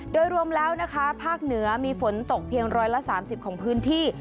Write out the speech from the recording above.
โดยรวมแล้วนะคะภาคเหนือมีฝนตกเพียง๑๓๐ของพื้นที่